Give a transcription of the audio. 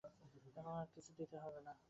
এখন কিছু দিতে হয় না।